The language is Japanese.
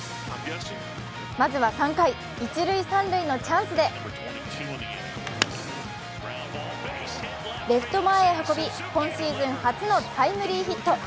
まずは３回、一・三塁のチャンスでレフト前へ運び、今シーズン初のタイムリーヒット。